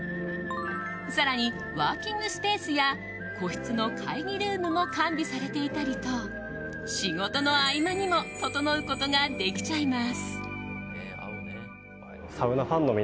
更に、ワーキングスペースや個室の会議ルームも完備されていたりと仕事の合間にもととのうことができちゃいます。